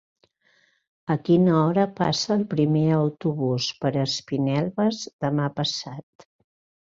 A quina hora passa el primer autobús per Espinelves demà passat?